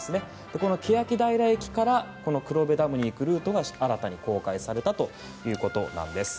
欅平駅から黒部ダムに行くルートが新たに公開されたということなんです。